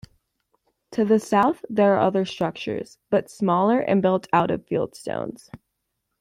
To the south there are other structures, but smaller and built out of fieldstones.